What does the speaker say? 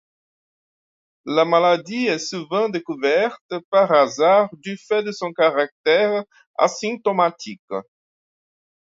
La maladie est souvent découverte par hasard du fait de son caractère asymptomatique.